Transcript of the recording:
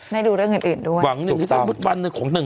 ได้ดูเรื่องอื่นด้วยถูกต้อง